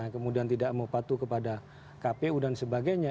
kemudian tidak mau patuh kepada kpu dan sebagainya